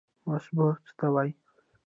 مصوبه څه ته وایي؟